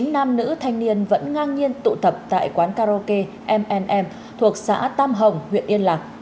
chín nam nữ thanh niên vẫn ngang nhiên tụ tập tại quán karaoke mnm thuộc xã tam hồng huyện yên lạc